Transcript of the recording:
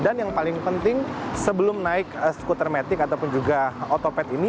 dan yang paling penting sebelum naik scootermatic ataupun juga otopet ini